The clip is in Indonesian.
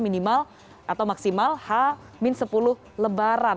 minimal atau maksimal h sepuluh lebaran